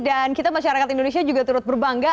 dan kita masyarakat indonesia juga turut berbangga